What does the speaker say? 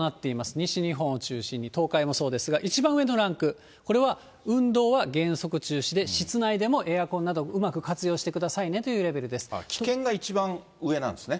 西日本を中心に、東海もそうですが、一番上のランク、これは、運動は原則中止で、室内でもエアコンなどをうまく活用してくださいねというレベルで危険が一番上なんですね。